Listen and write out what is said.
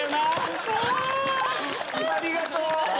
ありがとう。